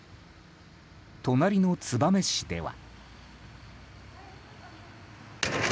隣の燕市では。